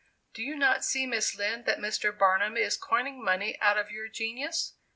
"Do you not see, Miss Lind, that Mr. Barnum is coining money out of your genius?"